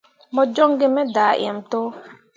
Mo joŋ gi me daaǝǝm to.